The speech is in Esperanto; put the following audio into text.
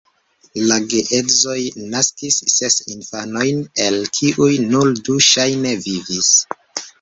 La geedzoj naskis ses infanojn, el kiuj nur du ŝajne vivis.